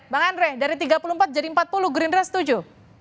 bang andre dari tiga puluh empat jadi empat puluh gerindra setuju